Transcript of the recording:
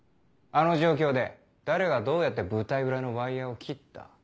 あの状況で誰がどうやって舞台裏のワイヤを切った？